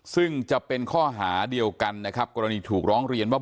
ซึ่งจะเป็นข้อหาเดียวกันนะครับกรณีถูกร้องเรียนว่า